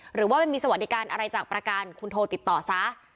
หรือว่ามันมีสวัสดิการอะไรจากประกันคุณโทรติดต่อซะ